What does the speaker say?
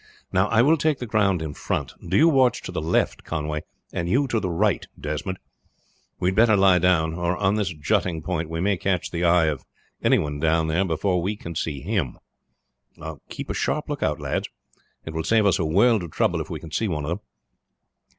Now, I will take the ground in front; do you watch to the left, Conway, and you to the right, Desmond. We had better lie down, or on this jutting point we may catch the eye of any one down there before we can see him. Keep a sharp lookout lads; it will save us a world of trouble if we can see one of them."